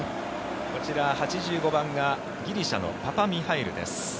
こちら８５番がギリシャのパパミハイルです。